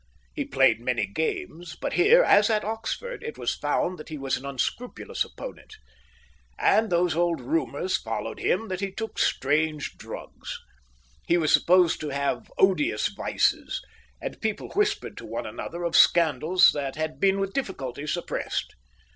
He played many games, but here, as at Oxford, it was found that he was an unscrupulous opponent. And those old rumours followed him that he took strange drugs. He was supposed to have odious vices, and people whispered to one another of scandals that had been with difficulty suppressed.